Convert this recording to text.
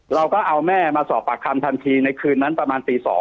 เราก็เอาแม่มาสอบปากคำทันทีในคืนนั้นประมาณตี๒